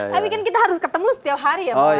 tapi kan kita harus ketemu setiap hari ya bu ya